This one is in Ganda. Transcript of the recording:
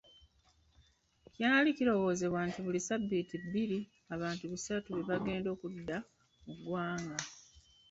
Kyali kirowoozebwa nti buli sabbiiti bbiri, abantu bisatu bebagenda okudda mu ggwanga.